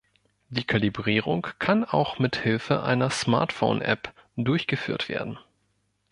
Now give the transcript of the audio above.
Die Kalibrierung kann auch mithilfe einer Smartphone-App durchgeführt werden.